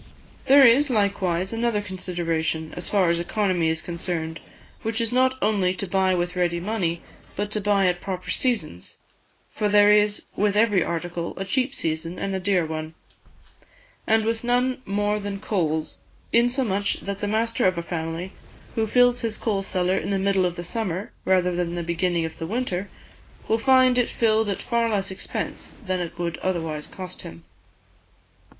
There is, likewise, another consideration, as far as economy is concerned, which is not only to buy with ready money, but to buy at proper seasons; for there is with every article a cheap season and a dear one; and with none more than coals, insomuch that the master of a family who fills his coal cellar in the middle of the summer, rather than the beginning of the winter, will find it filled at far less expense than it would otherwise cost him.